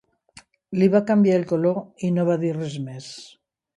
Li va canviar el color i no va dir res més.